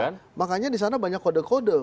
nah makanya di sana banyak kode kode